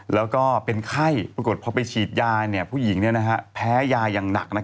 แล้วก็เป็นไข้ปรากฏพอไปฉีดยาผู้หญิงแพ้ยาอย่างหนัก